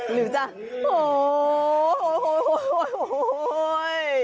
หรือจะโห้ย